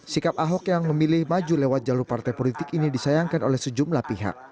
sikap ahok yang memilih maju lewat jalur partai politik ini disayangkan oleh sejumlah pihak